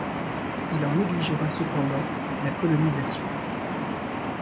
Il en négligera cependant la colonisation.